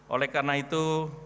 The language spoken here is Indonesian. oleh karena itu